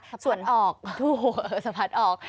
สะพัดออกสะพัดออก